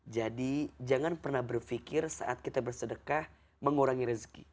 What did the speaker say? jadi jangan pernah berpikir saat kita bersedekah mengurangi rezeki